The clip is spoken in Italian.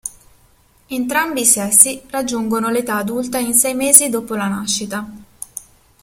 Entrambi i sessi raggiungono l'età adulta in sei mesi dopo la nascita.